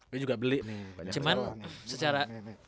gue juga beli cuman secara